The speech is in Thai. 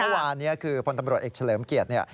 วันนี้คือพนตำรวจเอกเฉลิมเกียรติฯ